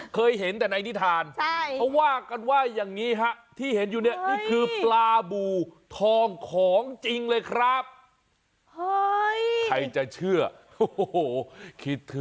เคยเห็นแต่ในนิทานที่เห็นอยู่เนี่ย